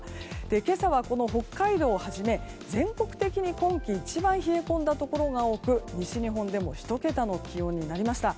今朝は北海道をはじめ全国的に今季一番冷え込んだところが多く西日本でも１桁の気温になりました。